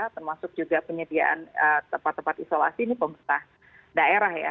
termasuk juga penyediaan tempat tempat isolasi ini pemerintah daerah ya